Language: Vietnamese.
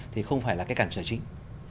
thì không phải là cái cản trở chính